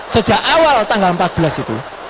sejak awal tanggal empat belas itu